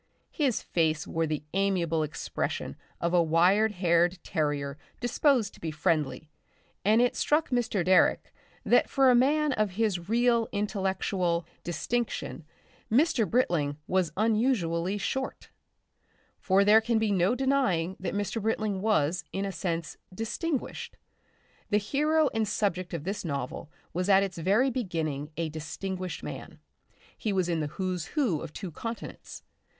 His face wore the amiable expression of a wire haired terrier disposed to be friendly, and it struck Mr. Direck that for a man of his real intellectual distinction Mr. Britling was unusually short. For there can be no denying that Mr. Britling was, in a sense, distinguished. The hero and subject of this novel was at its very beginning a distinguished man. He was in the Who's Who of two continents.